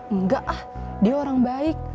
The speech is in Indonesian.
enggak ah dia orang baik